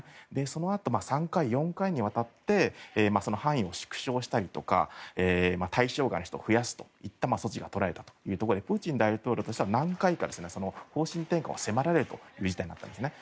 そのあと３回、４回にわたって範囲を縮小したりとか対象外の人を増やすという措置が取られたということでプーチン大統領としては何回か方針転換を迫られる事態になったんですね。